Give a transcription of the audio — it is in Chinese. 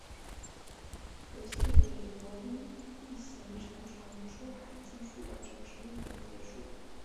游戏以罗宾一行乘船出海继续完成使命而结束。